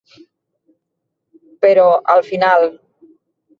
Però al final.